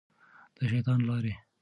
د شیطان لارې.